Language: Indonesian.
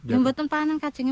yang betul panen kacengnya